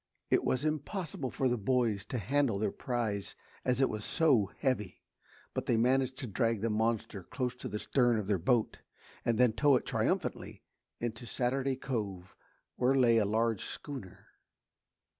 It was impossible for the boys to handle their prize as it was so heavy, but they managed to drag the monster close to the stern of their boat and then tow it triumphantly in to Saturday Cove where lay a large schooner.